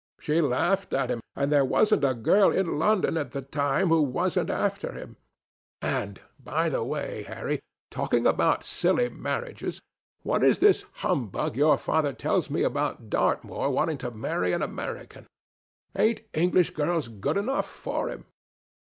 She laughed at him, and there wasn't a girl in London at the time who wasn't after him. And by the way, Harry, talking about silly marriages, what is this humbug your father tells me about Dartmoor wanting to marry an American? Ain't English girls good enough for him?"